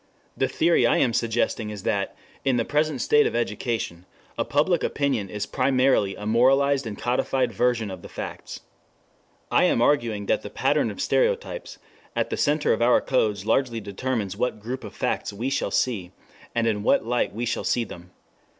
The theory I am suggesting is that, in the present state of education, a public opinion is primarily a moralized and codified version of the facts. I am arguing that the pattern of stereotypes at the center of our codes largely determines what group of facts we shall see, and in what light we shall see them.